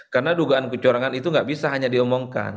karena dugaan kecorangan itu nggak bisa hanya diomongkan